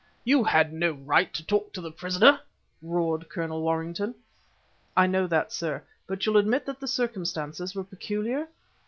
"You had no right to talk to the prisoner!" roared Colonel Warrington. "I know that, sir, but you'll admit that the circumstances were peculiar.